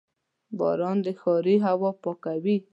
• باران د ښاري هوا پاکوي.